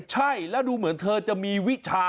ใช่แล้วดูเหมือนเธอจะมีวิชา